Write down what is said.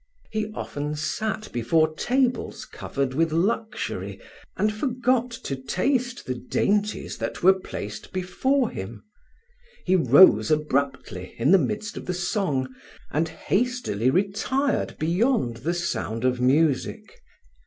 He often sat before tables covered with luxury, and forgot to taste the dainties that were placed before him; he rose abruptly in the midst of the song, and hastily retired beyond the sound of music.